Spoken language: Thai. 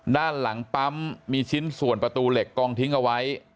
ด้านหลังปั๊มมีชิ้นส่วนประตูเหล็กกองทิ้งเอาไว้